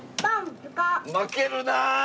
負けるな。